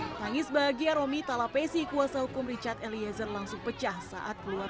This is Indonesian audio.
hai tangis bahagia romi talapesi kuasa hukum richard eliezer langsung pecah saat keluar